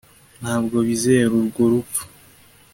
ntabwo bizera urwo rupfu